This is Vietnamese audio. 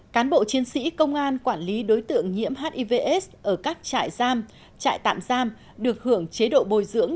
cán bộ chiến sĩ công an quản lý đối tượng nhiễm hivs ở các trại giam trại tạm giam được hưởng chế độ bồi dưỡng